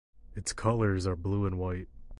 Its colours are blue and white.